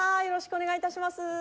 よろしくお願いします。